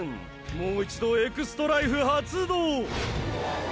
もう一度エクストライフ発動。